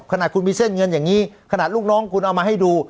ขนาดคุณมีเส้นเงินอย่างนี้ขนาดลูกน้องคุณเอามาให้ดู